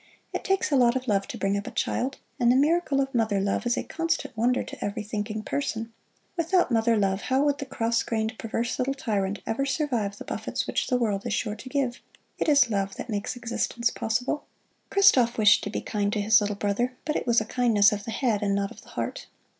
It takes a lot of love to bring up a child, and the miracle of mother love is a constant wonder to every thinking person. Without mother love how would the cross grained, perverse little tyrant ever survive the buffets which the world is sure to give? It is love that makes existence possible. Christoph wished to be kind to his little brother, but it was a kindness of the head and not of the heart.